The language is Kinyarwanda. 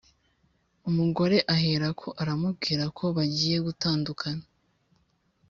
Umugore aherako aramubwira ko bagiye gutadukana